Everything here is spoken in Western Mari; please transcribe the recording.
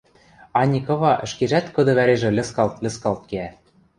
Ани кыва ӹшкежӓт кыды вӓрежӹ льыскалт-льыскалт кеӓ.